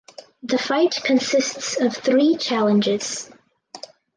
The fight consists of three challenges.